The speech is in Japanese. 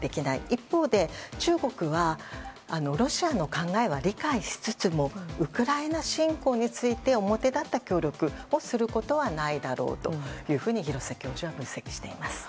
一方で、中国はロシアの考えは理解しつつもウクライナ侵攻について表立った協力をすることはないだろうと廣瀬教授は分析しています。